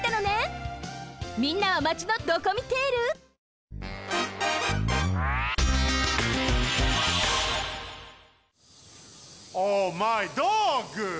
みんなはマチのドコミテール？オマイドッグ！